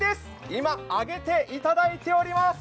今揚げていただいております。